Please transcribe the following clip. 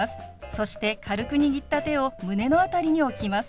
そして軽く握った手を胸の辺りに置きます。